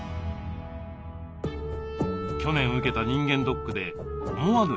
去年受けた人間ドックで思わぬ変化が。